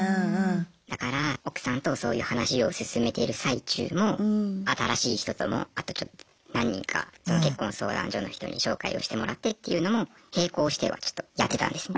だから奥さんとそういう話を進めている最中も新しい人ともあとちょっと何人か結婚相談所の人に紹介をしてもらってっていうのも並行してはちょっとやってたんですね。